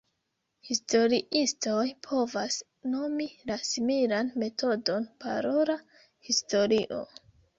Historiistoj povas nomi la similan metodon parola historio.